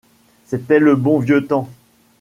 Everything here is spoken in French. C'était le bon vieux temps !